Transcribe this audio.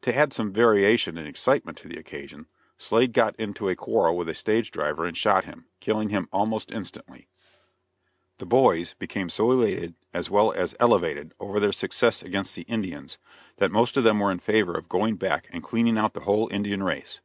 To add some variation and excitement to the occasion, Slade got in to a quarrel with a stage driver and shot him, killing him almost instantly. [Illustration: ALF. SLADE KILLING THE DRIVER.] The "boys" became so elated as well as "elevated" over their success against the Indians, that most of them were in favor of going back and cleaning out the whole Indian race.